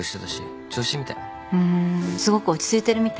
ふんすごく落ち着いてるみたいね。